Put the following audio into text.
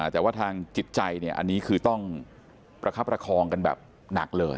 แต่ว่าทางจิตใจเนี่ยอันนี้คือต้องประคับประคองกันแบบหนักเลย